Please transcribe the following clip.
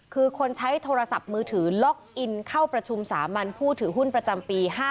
คือคนใช้โทรศัพท์มือถือล็อกอินเข้าประชุมสามัญผู้ถือหุ้นประจำปี๕๗